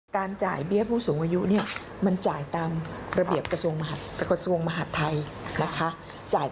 การจ่ายเบี้ยผู้สูงอายุเนี่ยมันจ่ายตามระเบียบกระทรวงมหาดไทยนะคะ